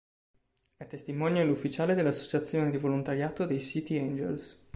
È testimonial ufficiale dell'associazione di volontariato dei City Angels.